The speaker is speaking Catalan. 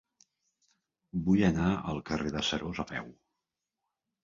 Vull anar al carrer de Seròs a peu.